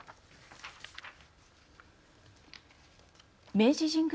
明治神宮